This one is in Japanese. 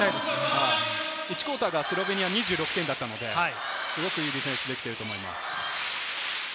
第１クオーターはスロベニア２６点だったので、すごくいいディフェンスができていると思います。